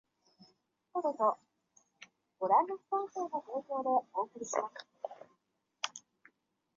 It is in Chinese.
圣瓦利耶德蒂耶伊人口变化图示